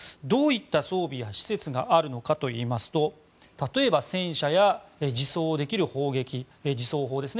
どういった装備や施設があるのかといいますと例えば戦車や自走できる砲撃、自走砲